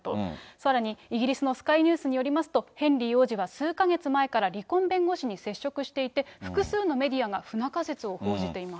さらに、イギリスのスカイ・ニュースによりますと、ヘンリー王子は数か月前から離婚弁護士に接触していて、複数のメディアが不仲説を報じています。